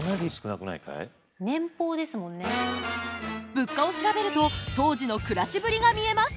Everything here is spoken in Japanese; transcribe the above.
物価を調べると当時の暮らしぶりが見えます。